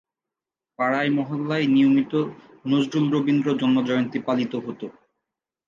পাড়ায়-মহল্লায় নিয়মিত নজরুল-রবীন্দ্র জন্ম-জয়ন্তী পালিত হত।